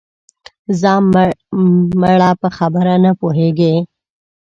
ځه مړه په خبره نه پوهېږې